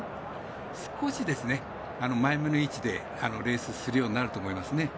少し前めの位置でレースするようになると思いますね。